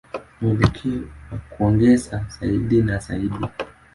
Mwelekeo ni wa kuongezeka zaidi na zaidi.